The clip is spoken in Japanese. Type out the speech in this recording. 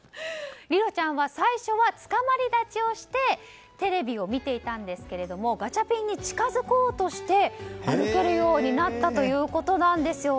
りろちゃんは最初はつかまり立ちをしてテレビを見ていたんですけれどもガチャピンに近づこうとして歩けるようになったということです。